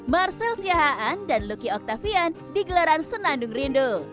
marcelle sihaan dan lucky octavian di gelaran senandung rindu